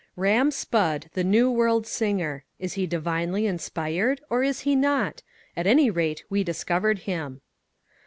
IV Ram Spudd The New World Singer. Is He Divinely Inspired? Or Is He Not? At Any Rate We Discovered Him.